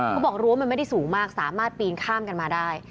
กรั้วมันไม่ได้สูงมากสามารถปีนข้ามกันมาได้